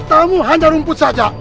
katamu hanya rumput saja